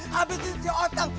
habis itu si otang